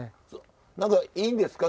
何かいいんですか？